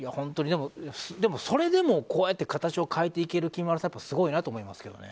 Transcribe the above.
それでも、こうやって形を変えていけるきみまろさんはすごいなと思いますけどね。